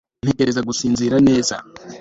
ntekereza gusinzira neza